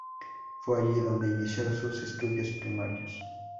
Fue allí donde inició sus estudios primarios.